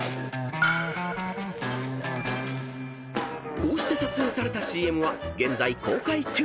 ［こうして撮影されたＣＭは現在公開中］